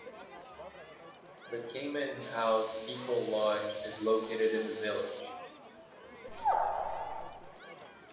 The Caiman House Eco Lodge is located in the village.